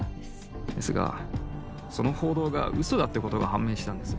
ですがその報道がウソだってことが判明したんです。